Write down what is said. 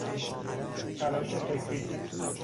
تلاش فکری